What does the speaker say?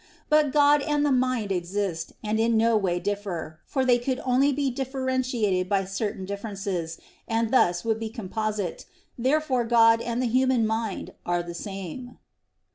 But God and the mind exist, and in no way differ, for they could only be differentiated by certain differences, and thus would be composite. Therefore God and the human mind are the same.